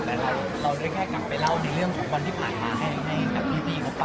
แต่เราได้กลับไปเล่าในเรื่องทุกวันที่ผ่าทางแห้งกับพี่พี่ก็ป่ะ